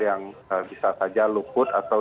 yang bisa saja luput atau